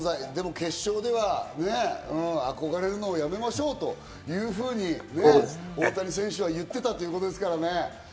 そうか、憧れの存在、でも決勝ではね、「憧れるのはやめましょう」というふうに、大谷選手は言ってたということですからね。